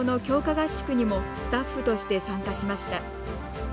合宿にもスタッフとして参加しました。